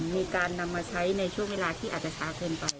มีการนำมาใช้ในช่วงเวลาที่อาจจะช้าเกินไป